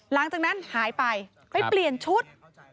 หลังจากนั้นหายไปไปเปลี่ยนชุด